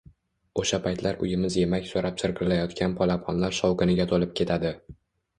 Oʻsha paytlar uyimiz yemak soʻrab chirqillayotgan polaponlar shovqiniga toʻlib ketadi.